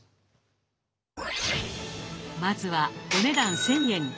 まずはお値段１，０００円。